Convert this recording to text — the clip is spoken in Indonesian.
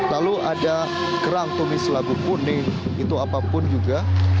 lalu ada kerang tumis lagu kuning itu apapun juga